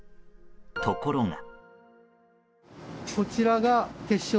ところが。